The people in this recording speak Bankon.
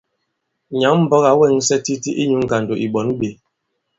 Nyǎŋ-mbɔk ǎ wɛŋsɛ titi inyū ŋgàndò ì ɓɔ̌n ɓē.